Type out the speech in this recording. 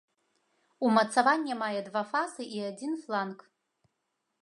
Умацаванне мае два фасы і адзін фланк.